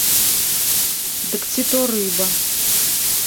Дык ці то рыба?